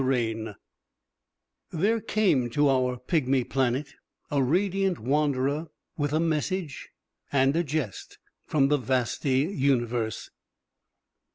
_] [Sidenote: There came to our pigmy planet a radiant wanderer with a message and a jest from the vasty universe.